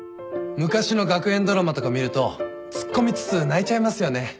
昔の学園ドラマとか見るとツッコみつつ泣いちゃいますよね。